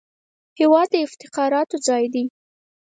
هېواد د افتخاراتو ځای دی